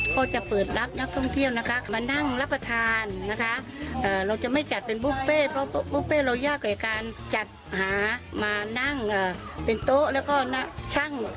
ก็จะเปิดรับนักท่องเที่ยวนะคะมานั่งรับประทานนะคะเราจะไม่จัดเป็นบุฟเฟ่เพราะบุฟเฟ่เรายากกับการจัดหามานั่งเป็นโต๊ะแล้วก็ช่าง